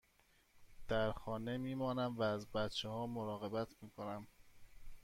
در خانه می مانم و از بچه ها مراقبت می کنم.